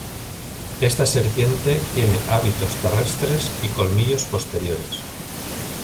Esta serpiente tiene hábitos terrestres y colmillos posteriores.